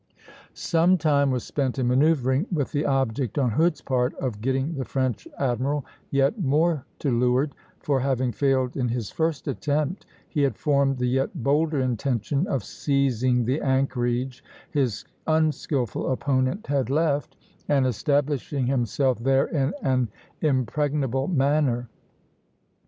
Some time was spent in manoeuvring, with the object on Hood's part of getting the French admiral yet more to leeward; for, having failed in his first attempt, he had formed the yet bolder intention of seizing the anchorage his unskilful opponent had left, and establishing himself there in an impregnable manner.